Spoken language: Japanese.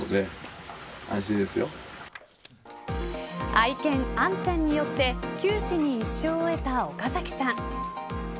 愛犬、アンちゃんによって九死に一生を得た岡崎さん。